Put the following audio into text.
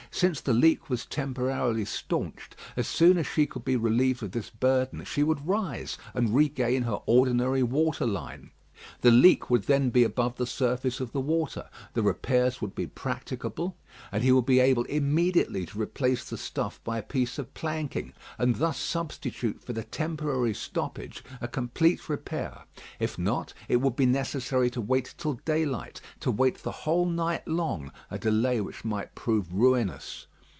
Since the leak was temporarily staunched, as soon as she could be relieved of this burden, she would rise, and regain her ordinary water line. The leak would then be above the surface of the water, the repairs would be practicable, and he would be able immediately to replace the stuff by a piece of planking, and thus substitute for the temporary stoppage a complete repair. If not, it would be necessary to wait till daylight to wait the whole night long; a delay which might prove ruinous.